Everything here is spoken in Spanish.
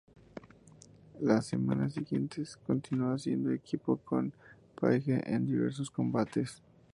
Las semanas siguientes, continuó haciendo equipo con Paige en diversos combates.